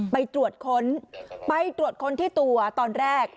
ไปตรวจค้นไปตรวจค้นที่ตัวตอนแรก